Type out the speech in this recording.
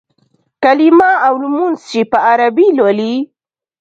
کلیمه او لمونځ چې په عربي لولې.